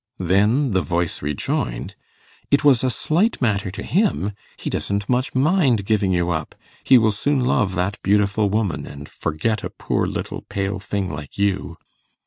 Then the voice rejoined, 'It was a slight matter to him. He doesn't much mind giving you up. He will soon love that beautiful woman, and forget a poor little pale thing like you.